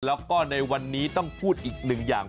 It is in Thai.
แล้วก็ในวันนี้ต้องพูดอีกหนึ่งอย่าง